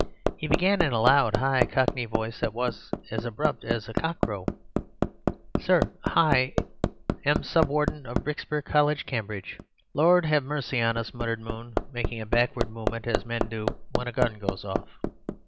He began in a loud, high, cockney voice that was as abrupt as a cock crow:— "Sir,—Hi am the Sub Warden of Brikespeare College, Cambridge—" "Lord have mercy on us," muttered Moon, making a backward movement as men do when a gun goes off.